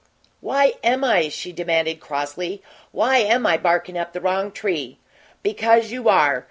"Why am I?" she demanded, crossly. "Why am I barkin' up the wrong tree?" "Because you are.